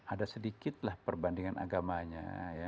ada sedikitlah perbandingan agamanya